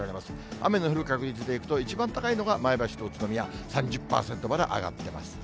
雨の降る確率でいくと、一番高いのが前橋と宇都宮、３０％まで上がってます。